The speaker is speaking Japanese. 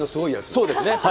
そうですね。